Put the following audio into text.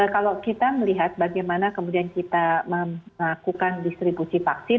kalau kita melihat bagaimana kemudian kita melakukan distribusi vaksin